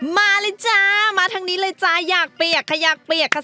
มาเลยจ้ามาทางนี้เลยจ้าอยากเปียกขยักเปียกค่ะ